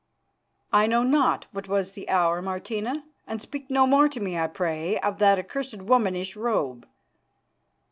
"I know not what was the hour, Martina, and speak no more to me, I pray, of that accursed womanish robe."